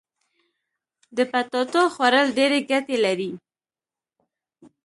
د پټاټو خوړل ډيري ګټي لري.